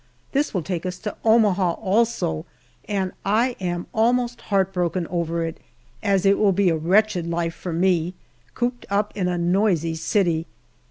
This will take us to Omaha, also, and I am almost heartbroken over it, as it will be a wretched life for me cooped up in a noisy city!